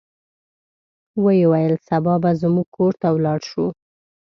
ویې ویل سبا به زموږ کور ته ولاړ شو.